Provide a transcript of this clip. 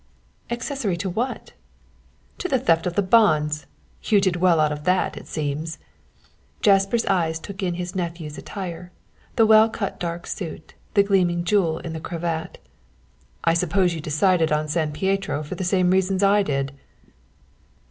"Accessory to what?" "To the theft of the bonds you did well out of that, it seems." Jasper's eyes took in his nephew's attire, the well cut dark suit, the gleaming jewel in the cravat. "I suppose you decided on San Pietro for the same reason as I did."